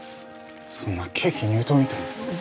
そんなケーキ入刀みたいに。